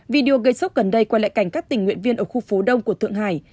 video gây sốc gần đây quay lại cảnh các tình nguyện viên ở khu phố đông của thượng hải